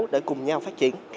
để cùng nhau phát triển